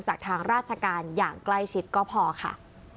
จากทางราชการอย่างใกล้ชิดก็พอค่ะ